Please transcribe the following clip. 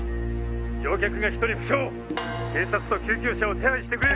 乗客が１人負傷警察と救急車を手配してくれ！